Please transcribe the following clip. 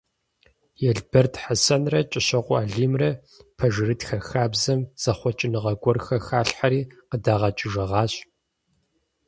Елберд Хьэсэнрэ Кӏыщокъуэ Алимрэ пэжырытхэ хабзэм зэхъуэкӏыныгъэ гуэрхэр халъхэри къыдагъэкӏыжыгъащ.